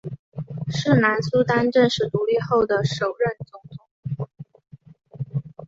是南苏丹正式独立后的首任总统。